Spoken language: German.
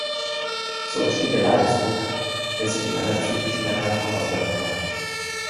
So entsteht der Leidensdruck, der sich in einer psychischen Erkrankung auswirken kann.